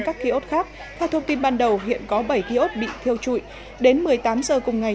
các kiosk khác theo thông tin ban đầu hiện có bảy kiosk bị thiêu trụi đến một mươi tám giờ cùng ngày